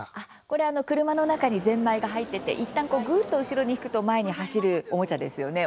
これ、車の中にぜんまいが入ってていったん、ぐっと後ろに引くと前に走る、おもちゃですよね。